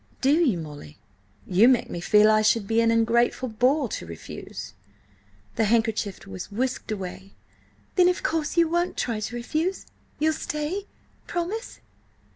"Do you, Molly? You make me feel I should be an ungrateful boor to refuse—" The handkerchief was whisked away. "Then, of course you won't try to refuse! You'll stay? Promise!"